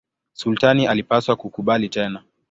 Sultani alipaswa kukubali tena.